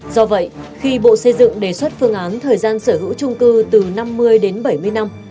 do vậy khi bộ xây dựng đề xuất phương án thời gian sở hữu trung cư từ năm mươi đến bảy mươi năm